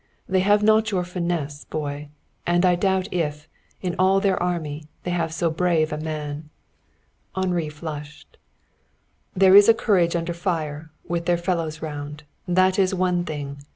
"They have not your finesse, boy. And I doubt if, in all their army, they have so brave a man." Henri flushed. "There is a courage under fire, with their fellows round that is one thing.